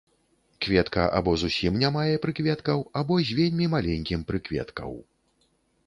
Кветка або зусім не мае прыкветкаў або з вельмі маленькім прыкветкаў.